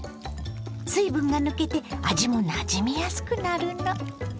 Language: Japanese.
水分が抜けて味もなじみやすくなるの。